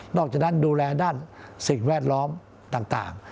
จากนั้นดูแลด้านสิ่งแวดล้อมต่าง